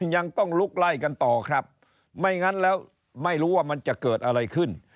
ยังต้องลุกไล่กันต่อครับไม่งั้นแล้วไม่รู้ว่ามันจะเกิดอะไรขึ้น